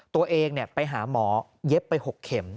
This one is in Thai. ตัวเองไปหาหมอเย็บไป๖เข็ม